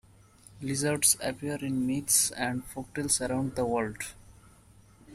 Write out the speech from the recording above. Lizards appear in myths and folktales around the world.